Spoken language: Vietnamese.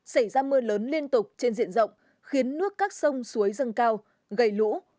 xảy ra mưa lớn liên tục trên diện rộng khiến nước các sông suối dâng cao gây lũ